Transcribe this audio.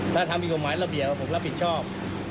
ถ้าทำผิดกฎหมายระเบียบผมรับผิดชอบ